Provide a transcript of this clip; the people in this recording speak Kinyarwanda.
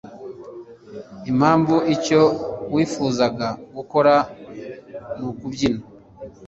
impamvu icyo wifuzaga gukora nukubyina